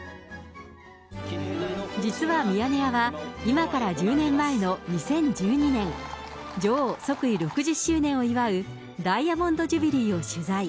実はミヤネ屋は、今から１０年前の２０１２年、女王即位６０周年を祝うダイヤモンドジュビリーを取材。